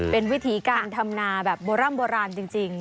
เป็นวิถีการทำนาแบบโบร่ำโบราณจริง